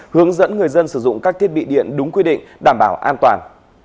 hướng dẫn người dân sử dụng các thiết bị điện đúng quy định đảm bảo an toàn